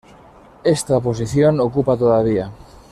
Esta posición ocupa todavía.